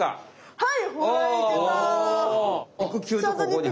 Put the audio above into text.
はい。